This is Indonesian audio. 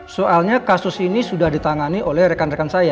soalnya kasus ini sudah ditangani oleh rekan rekan saya